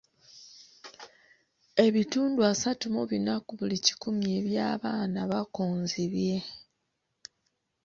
Ebitundu asatu mu bina ku buli kikumi eby'abaana bakonzibye.